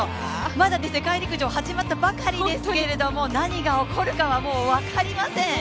まだ世界陸上始まったばかりですけど何が起こるかは、もう分かりません。